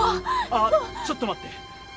ああちょっと待って。